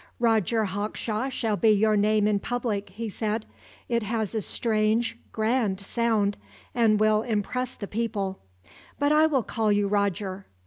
"Roger Hawkshaw shall be your name in public," he said. "It has a strange grand sound, and will impress the people; but I will call you Roger.